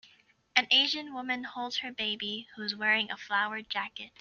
An asian woman holds her baby, who is wearing a flowered jacket.